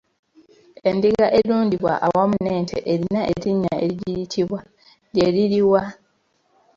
Endiga erundirwa awamu n’ente erina erinnya erigiyitibwa, lye liri wa ?